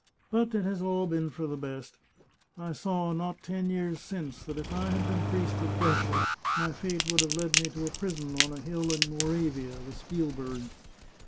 But it has all been for the best. I saw, not ten years since, that if I had been priest of Brescia, my fate would have led me to a prison, on a hill in Moravia, the Spielberg.